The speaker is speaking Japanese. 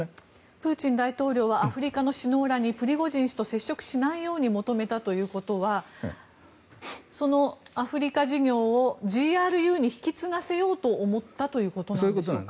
プーチン大統領はアフリカの首脳らにプリゴジン氏と接触しないように求めたということはそのアフリカ事業をＧＲＵに引き継がせようと思ったということでしょうか。